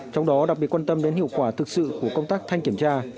trong đó đặc biệt quan tâm đến hiệu quả thực sự của công tác thanh kiểm tra